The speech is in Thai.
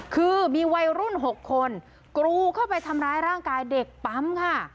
คือมีวัยรุ่น๖คนกรูเข้าไปทำร้ายร่างกายเด็กปั๊มค่ะ